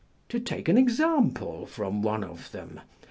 To take an example from one of them.